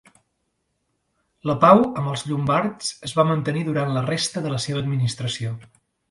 La pau amb els Llombards es va mantenir durant la resta de la seva administració.